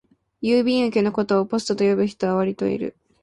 郵便受けのことをポストと呼ぶ人はわりといる